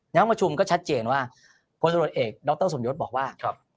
ในห้องประชุมก็ชัดเจนว่าพศเอกดรสมยศบอกว่า